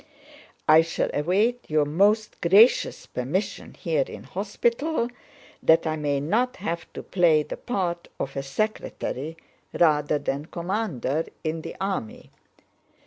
I shall await your most gracious permission here in hospital, that I may not have to play the part of a secretary rather than commander in the army.